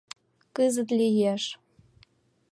Кызыт лиеш.